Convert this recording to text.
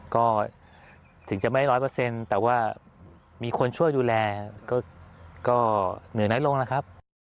ก็ถึงจะไม่ร้อยเปอร์เซ็นต์แต่ว่ามีคนช่วยดูแลก็เหนื่อยน้อยลงนะครับ